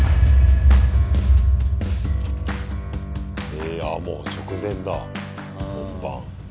えああもう直前だ本番。